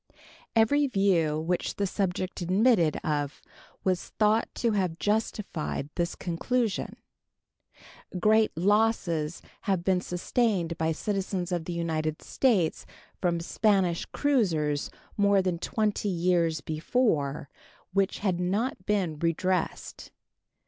Every view which the subject admitted of was thought to have justified this conclusion. Great losses had been sustained by citizens of the United States from Spanish cruisers more than 20 years before, which had not been redressed.